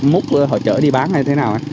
múc họ chở đi bán hay thế nào ạ